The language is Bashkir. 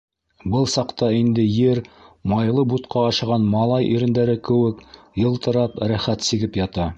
Был саҡта инде ер, майлы бутҡа ашаған малай ирендәре кеүек йылтырап, рәхәт сигеп ята.